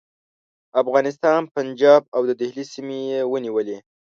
افغانستان، پنجاب او د دهلي سیمې یې ونیولې.